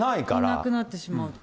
なくなってしまって。